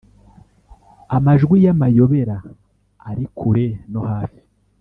amajwi y'amayobera ari kure no hafi,